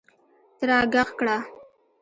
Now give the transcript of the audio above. ته راږغ کړه !